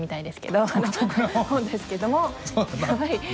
本ですけども。